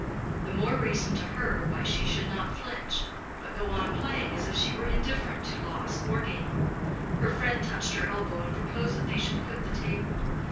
The more reason to her why she should not flinch, but go on playing as if she were indifferent to loss or gain. Her friend touched her elbow and proposed that they should quit the table.